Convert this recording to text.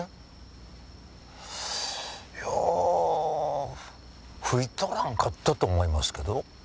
いや吹いとらんかったと思いますけど？